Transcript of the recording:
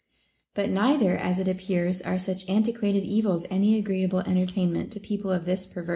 6. But neither (as it appears) are such antiquated evils any agreeable entertainment to people of this perverse * From Sophocles, Frag.